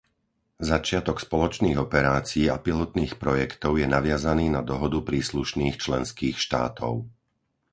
Začiatok spoločných operácií a pilotných projektov je naviazaný na dohodu príslušných členských štátov.